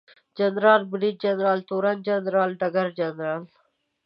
جنرال، بریدجنرال، تورن جنرال ، ډګرجنرال